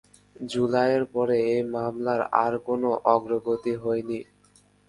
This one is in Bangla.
জুলাই এর পরে এই মামলার আর কোন অগ্রগতি হয়নি।